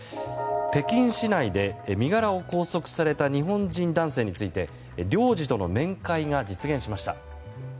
北京市内で身柄を拘束された日本人男性について領事との面会が実現しました。